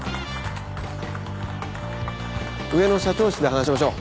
上の社長室で話しましょう。